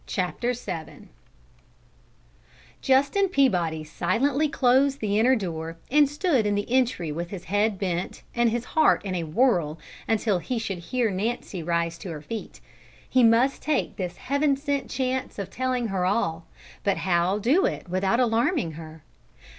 CHAPTER VII Justin Peabody silently closed the inner door, and stood in the entry with his head bent and his heart in a whirl until he should hear Nancy rise to her feet. He must take this Heaven sent chance of telling her all, but how do it without alarming her?